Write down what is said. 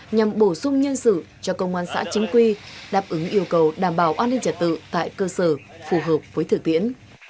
nhằm bổ sung nhân sự cho công an xã chính quy đáp ứng yêu cầu đảm bảo an ninh trật tự tại cơ sở phù hợp với thử tiễn